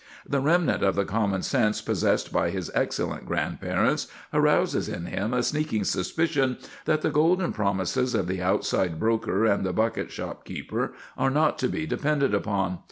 The remnant of the common sense possessed by his excellent grandparents arouses in him a sneaking suspicion that the golden promises of the outside broker and the bucket shop keeper are not to be depended upon.